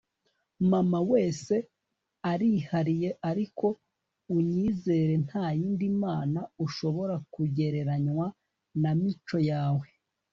mama wese arihariye, ariko unyizere ntayindi mama ushobora kugereranwa na mico yawe